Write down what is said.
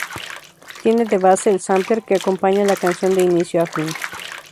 Tiene de base el "sampler" que acompaña la canción de inicio a fin.